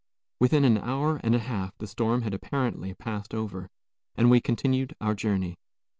Within an hour and a half the storm had apparently passed over, and we continued our journey.